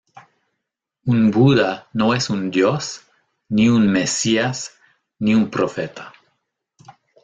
Un buda no es un dios, ni un mesías, ni un profeta.